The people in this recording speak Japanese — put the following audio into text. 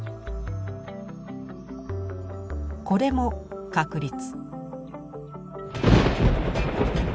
これも確率。